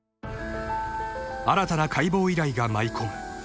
［新たな解剖依頼が舞い込む］